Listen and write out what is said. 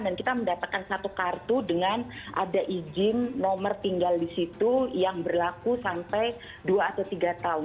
dan kita mendapatkan satu kartu dengan ada izin nomor tinggal di situ yang berlaku sampai dua atau tiga tahun